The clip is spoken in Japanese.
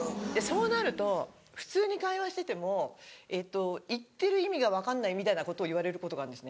そうなると普通に会話してても「言ってる意味が分かんない」みたいなことを言われることがあるんですね。